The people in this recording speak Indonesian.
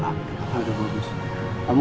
pak al udah bagus